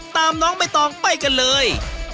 น้องใบตองไปกันเลย